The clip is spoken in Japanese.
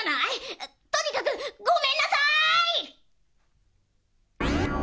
とにかくごめんなさい！